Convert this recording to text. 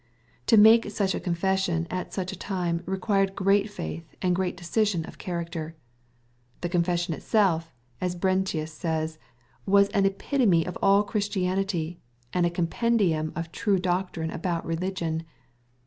To make such a confession at such a time, required great faith and great decision of character. \ The confession itself, as Brentius says, " was an epitome of all Christianity, and a compendium of true doctrine about religion."